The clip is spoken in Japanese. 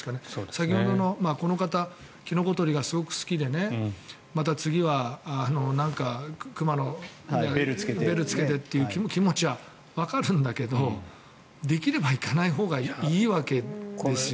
先ほどのこの方キノコ狩りがすごく好きで熊のベルをつけてという気持ちはわかるんだけどできれば行かないほうがいいわけですよ。